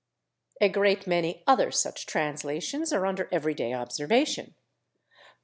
" A great many other such translations are under everyday observation.